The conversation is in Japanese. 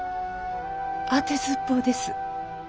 あてずっぽうです。